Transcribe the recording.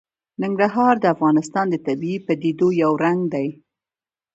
ننګرهار د افغانستان د طبیعي پدیدو یو رنګ دی.